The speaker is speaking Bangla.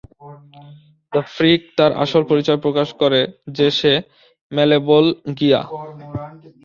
দ্য ফ্রিক তার আসল পরিচয় প্রকাশ করে যে সে মালেবোলগিয়া।